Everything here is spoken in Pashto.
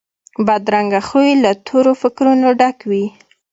بدرنګه خوی له تورو فکرونو ډک وي